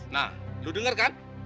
nah lu denger kan